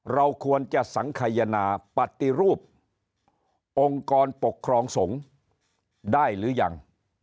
เราควรจะสังขยนาปฏิรูปองค์กรปกครองสงฆ์ได้หรือยัง